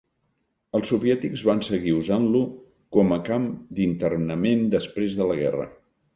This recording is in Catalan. Els soviètics van seguir usant-lo com a camp d'internament després de la guerra.